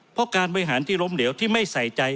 เพราะการบริหารที่ล้มเหลวที่ไม่ใส่ใจ